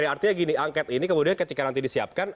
artinya gini angket ini kemudian ketika nanti disiapkan